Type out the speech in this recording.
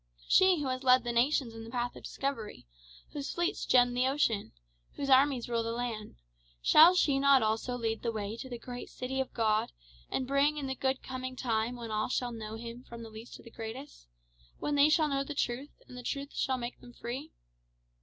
She who has led the nations in the path of discovery whose fleets gem the ocean whose armies rule the land, shall she not also lead the way to the great city of God, and bring in the good coming time when all shall know him from the least to the greatest when they shall know the truth, and the truth shall make them free?